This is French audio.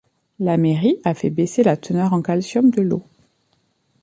La mairie a fait baisser la teneur en calcium de l'eau.